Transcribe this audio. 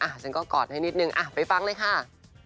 ฉันก็กอดให้นิดนึงไปฟังเลยค่ะ